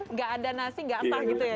nggak ada nasi nggak sah gitu ya